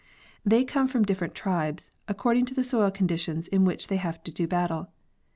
They come from different tribes, according to the soil conditions in which they have to battle.